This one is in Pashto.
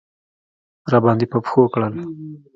راباندې په پښو کړل.